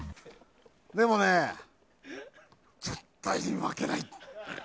でもね、絶対に負けない。